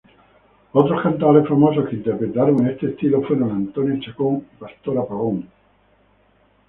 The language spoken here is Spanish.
Otros cantaores famosos que interpretaron este estilo fueron Antonio Chacón y Pastora Pavón.